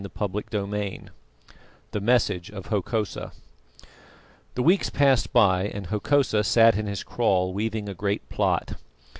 CHAPTER XII THE MESSAGE OF HOKOSA The weeks passed by, and Hokosa sat in his kraal weaving a great plot.